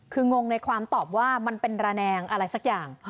คืองงในความตอบว่ามันเป็นระแนงอะไรสักอย่าง